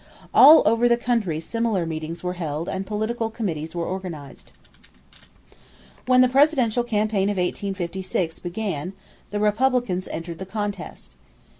All over the country similar meetings were held and political committees were organized. When the presidential campaign of 1856 began the Republicans entered the contest.